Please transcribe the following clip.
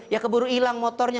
ya keburu hilang motornya